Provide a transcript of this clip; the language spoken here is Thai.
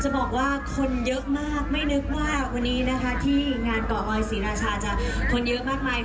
จะบอกว่าคนเยอะมากไม่นึกว่าวันนี้นะคะที่งานเกาะออยศรีราชาจะคนเยอะมากมาย